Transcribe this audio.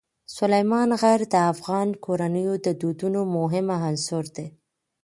سلیمان غر د افغان کورنیو د دودونو مهم عنصر دی.